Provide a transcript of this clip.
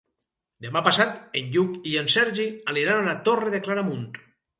Demà passat en Lluc i en Sergi aniran a la Torre de Claramunt.